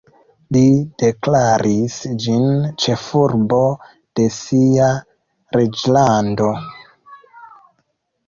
Li deklaris ĝin ĉefurbo de sia reĝlando.